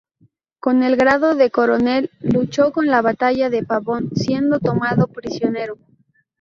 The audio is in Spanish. Con el grado de coronel luchó en la batalla de Pavón, siendo tomado prisionero.